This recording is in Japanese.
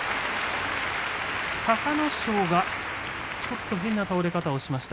隆の勝がちょっと変な倒れ方をしました。